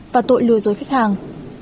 và tội lừa dối khách hàng